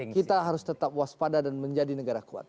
kita harus tetap waspada dan menjadi negara kuat